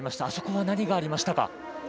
あそこは何がありましたか。